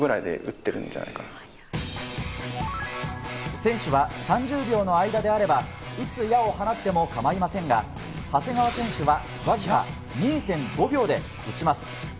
選手は３０秒の間であれば、いつ矢を放っても構いませんが、長谷川選手はわずか２．５秒で射ちます。